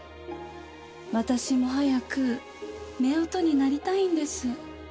私も早く夫婦になりたいんです。